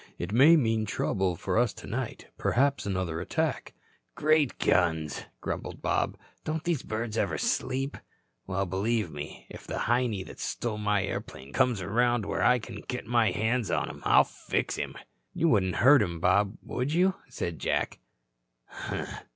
It may mean trouble for us tonight, perhaps another attack." "Great guns," grumbled Bob, "don't these birds ever sleep? Well, believe me, if the Heinie that stole my airplane comes around where I can get my hands on him, I'll fix him." "You wouldn't hurt him, Bob, would you?" said Jack.